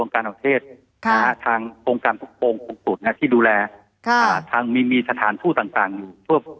คืออย่างนี้นะครับคือหลังจากที่ทราบเรื่องนะครับ